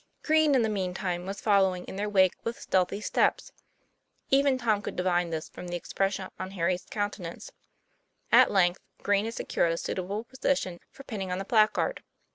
Green, in the mean time, was following in their wake with stealthy steps; even Tom could di vine this from the expression on Harry's countenance. At length Green had secured a suitable position for pinning on the placard.